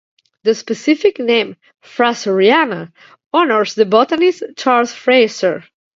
The specific name "fraseriana" honours the botanist Charles Fraser.